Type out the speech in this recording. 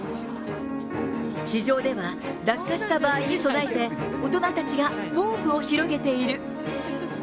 地上では落下した場合に備えて、大人たちが毛布を広げている。